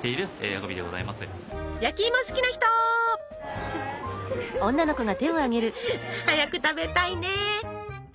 うふふ早く食べたいね！